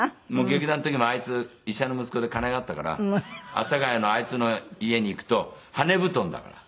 劇団の時もあいつ医者の息子で金があったから阿佐ケ谷のあいつの家に行くと羽根布団だから。